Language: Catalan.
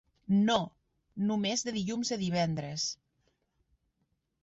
No, només de dilluns a divendres.